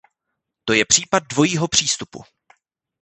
Toto je případ dvojího přístupu.